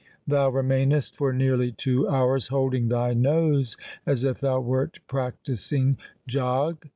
Thou remainest for nearly two hours holding thy nose as if thou wert practising Jog.